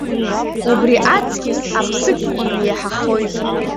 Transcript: Убри аҵкьыс аԥсык иҩеиҳахоит.